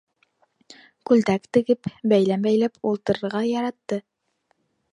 Күлдәк тегеп, бәйләм бәйләп ултырырға яратты.